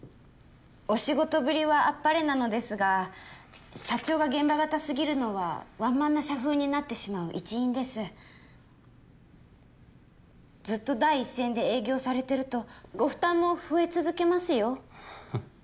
お仕事ぶりはあっぱれなのですが社長が現場型すぎるのはワンマンな社風になってしまう一因ですずっと第一線で営業されてるとご負担も増え続けますよはっ